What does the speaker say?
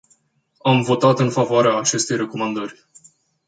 Am votat în favoarea acestei recomandări.